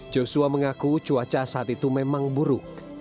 joshua mengaku cuaca saat itu memang buruk